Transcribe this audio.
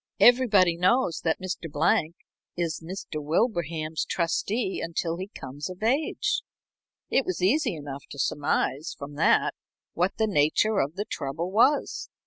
Everybody knows that Mr. Blank is Mr. Wilbraham's trustee until he comes of age. It was easy enough to surmise from that what the nature of the trouble was.